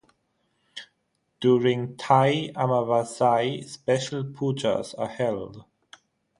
During Thai Amavasai special pujas are held.